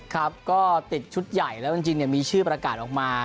ครับก็ติดชุดใหญ่แล้วจริงมีชื่อประกาศออกมา